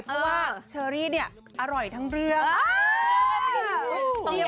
เพราะว่าชะรีอร่อยทั้งรื่อง